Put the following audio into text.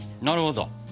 なるほど。